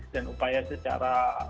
dan upaya secara